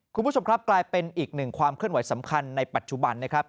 คุณผู้ชมครับกลายเป็นอีกหนึ่งความเคลื่อนไหวสำคัญในปัจจุบันนะครับ